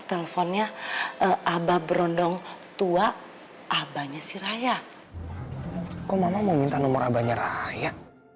teleponnya abah berondong tua abahnya si raya kok mama mau minta nomor abanya raya